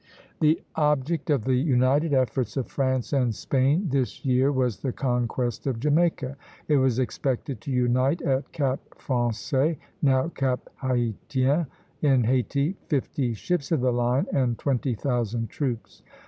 The object of the united efforts of France and Spain this year was the conquest of Jamaica. It was expected to unite at Cap Français (now Cap Haïtien), in Hayti, fifty ships of the line and twenty thousand troops.